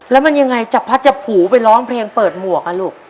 แล้วมันยังไงจับพัดจับผูไปร้องเพลงเปิดหมวกอ่ะลูก